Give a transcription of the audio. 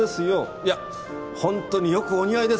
いやほんとによくお似合いです。